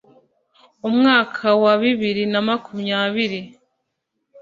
Umwaka wa bibi na makumyabiri